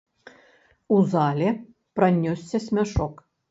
У зале пранёсся смяшок.